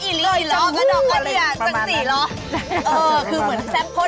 เหมือนแซ่บพ้นโผล่